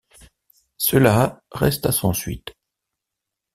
Cela resta sans suite.